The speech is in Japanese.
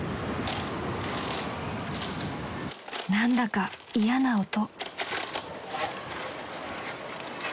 ［何だか嫌な音］